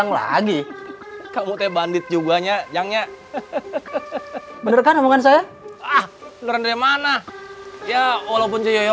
gak ampun sadis bener masa ceyoyo